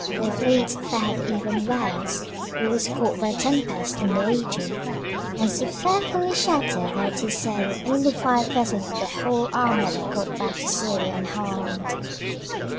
The fleet fared even worse: it was caught by a tempest in the Aegean, and so fearfully shattered that it is said that only five vessels out of the whole Armada got back to Syria unharmed.